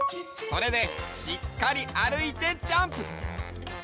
それでしっかりあるいてジャンプ！